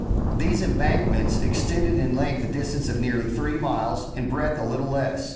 These embankments extended in length a distance of nearly three miles, in breadth a little less.